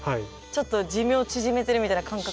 ちょっと寿命縮めてるみたいな感覚。